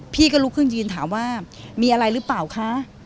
พี่ก็ลุกขึ้นยืนถามว่ามีอะไรหรือเปล่าคะ